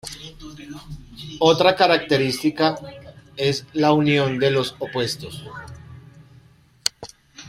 Otra característica es la unión de los opuestos.